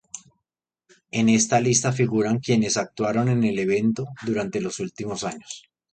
En esta lista figuran quienes actuaron en el evento durante los últimos años.